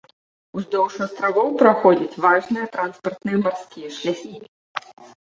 Уздоўж астравоў праходзяць важныя транспартныя марскія шляхі.